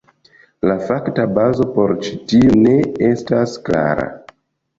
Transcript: La fakta bazo por ĉi tio ne estas klara.